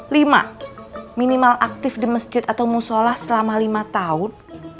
lima minimal aktif di masjid atau musola selama lima tahun